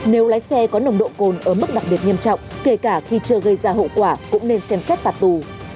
nếu lái xe có nồng độ cồn ở mức đặc biệt nghiêm trọng kể cả khi chưa gây ra hậu quả cũng nên xem xét phạt tù